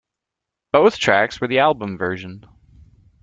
Both tracks were the album version.